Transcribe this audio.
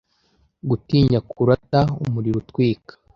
gutinya kuruta umuriro utwika